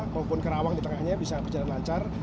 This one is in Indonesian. maupun ke rawang di tengahnya bisa berjalan lancar